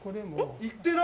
いってない？